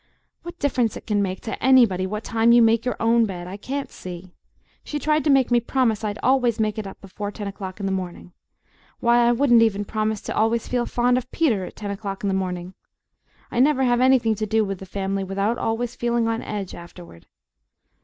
What difference it can make to ANYBODY what time you make your OWN bed I can't see! She tried to make me promise I'd always make it up before ten o'clock in the morning. Why, I wouldn't even promise to always feel fond of Peter at ten o'clock in the morning! I NEVER have anything to do with the family without always feeling on edge afterward.